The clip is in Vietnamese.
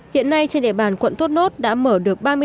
hiện nay trên địa bàn quận tốt nốt đã mở được